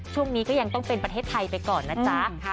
ช่วงนี้ก็ยังต้องเป็นประเทศไทยไปก่อนนะจ๊ะ